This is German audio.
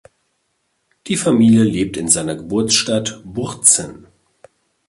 Die Familie lebt in seiner Geburtsstadt Wurzen.